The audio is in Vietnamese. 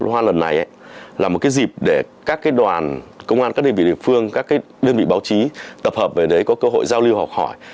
hôm nay là một dịp để các đoàn công an các đơn vị địa phương các đơn vị báo chí tập hợp về đấy có cơ hội giao lưu học hỏi